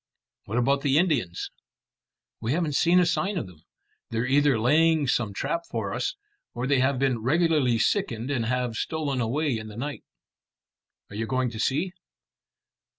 "What about the Indians?" "We haven't seen a sign of them. They're either laying some trap for us, or they have been regularly sickened and have stolen away in the night." "Are you going to see?"